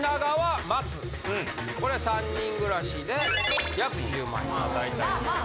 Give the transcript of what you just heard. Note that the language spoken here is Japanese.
これ３人暮らしで約１０万円。